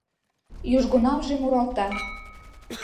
Южгунамже муралта: